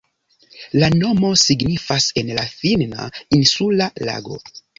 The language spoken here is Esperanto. La nomo signifas en la finna "insula lago".